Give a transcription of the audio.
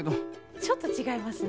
ちょっとちがいますね。